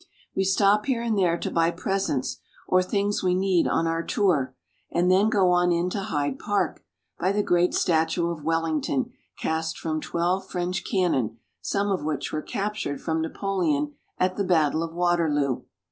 We stop here and there to buy pres ents or things we need on our tour ; and then go on into Hyde Park, by the great statue of Wellington cast from twelve French cannon, some of which were captured from Napoleon at the battle of Waterloo.